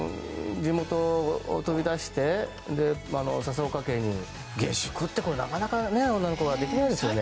地元を飛び出して笹岡家に下宿って、なかなか女の子ができないですよね。